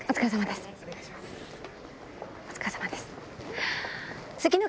お疲れさまです。